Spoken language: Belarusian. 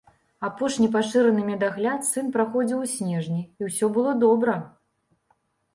Апошні пашыраны медагляд сын праходзіў у снежні, і ўсё было добра.